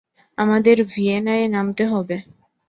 আমাদের ভিয়েনায় নামতে হবে।